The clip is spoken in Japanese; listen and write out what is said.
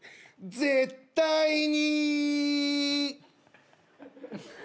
絶対に。